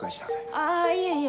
あいえいえ